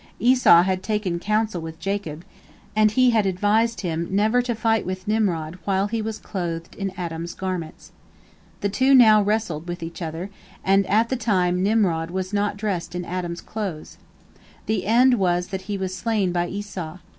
Esau had taken counsel with Jacob, and he had advised him never to fight with Nimrod while he was clothed in Adam's garments. The two now wrestled with each other, and at the time Nimrod was not dressed in Adam's clothes. The end was that he was slain by Esau.